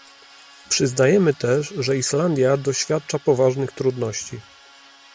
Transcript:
Przyznajemy też, że Islandia doświadcza poważnych trudności